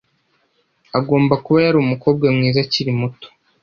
Agomba kuba yari umukobwa mwiza akiri muto.